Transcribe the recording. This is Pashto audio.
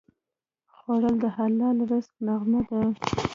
خوړل د حلال رزق نغمه ده